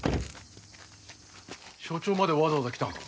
署長までわざわざ来たんか。